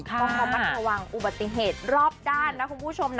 ความขัดขัววางอุบัติเหตุรอบด้านนะคุณผู้ชม